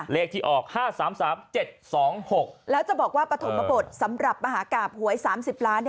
เลขที่ออก๕๓๓๗๒๖แล้วจะบอกว่าปฐมบทสำหรับมหากราบหวย๓๐ล้าน